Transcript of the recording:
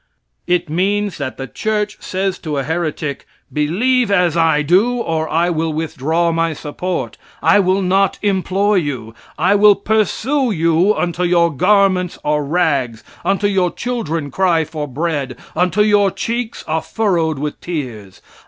It means that the church says to a heretic, "Believe as I do, or I will withdraw my support; I will not employ you; I will pursue you until your garments are rags; until your children cry for bread; until your cheeks are furrowed with tears.